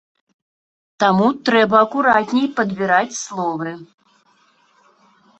Таму трэба акуратней падбіраць словы.